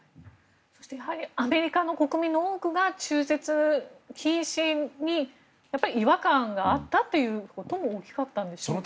そしてやはりアメリカの国民の多くが中絶禁止に違和感があったということも大きかったんでしょうか？